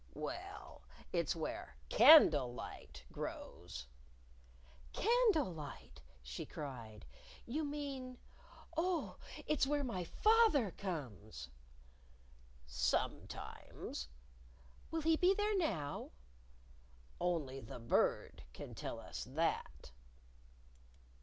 _" "Well, it's where candle light grows." "Candle light!" she cried. "You mean ! Oh, it's where my fath er comes!" "Sometimes." "Will he be there now?" "Only the Bird can tell us that."